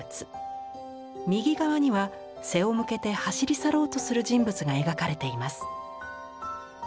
右側には背を向けて走り去ろうとする人物が描かれています。